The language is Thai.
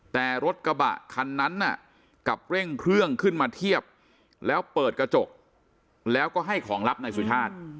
แต่รถกระบะคันนั้นกลับเร่งเครื่องขึ้นมาเทียบแล้วเปิดกระจกแล้วก็ให้ของลับในสุชาติ